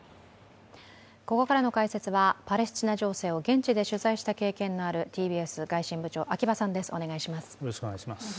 ここからの解説はパレスチナ情勢を現地で取材した経験のあるＴＢＳ外信部長、秋場清治さんです。